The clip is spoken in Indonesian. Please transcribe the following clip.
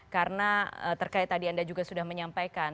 karena terkait tadi anda juga sudah menyampaikan